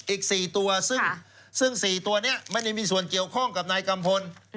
อีก๔ตัวซึ่ง๔ตัวนี้ไม่ได้มีส่วนเกี่ยวข้องกับนายกัมพล